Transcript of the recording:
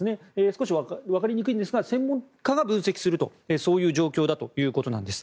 少しわかりにくいんですが専門家が分析するとそういう状況だということです。